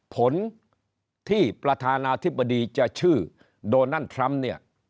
ผลที่ประธานาธิบดีจะชื่อโดนัลด์ทรัมป์เนี่ย